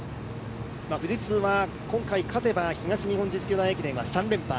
富士通は今回勝てば東日本実業団駅伝は３連覇。